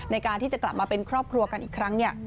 ในการที่จะกลับมาเป็นครอบครัวกันอีกครั้ง